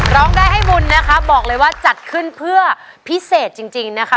ร้องได้ให้บุญนะคะบอกเลยว่าจัดขึ้นเพื่อพิเศษจริงนะคะ